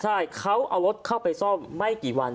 ใช่เขาเอารถเข้าไปซ่อมไม่กี่วัน